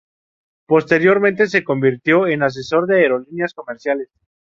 Posteriormente se convirtió en asesor de aerolíneas comerciales.